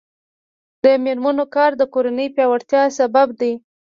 د میرمنو کار د کورنۍ پیاوړتیا سبب دی.